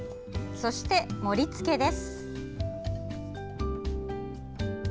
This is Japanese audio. そして盛りつけです。